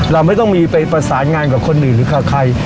เราไม่ต้องมีไปประสานงานกับคนอื่นหรือกับใคร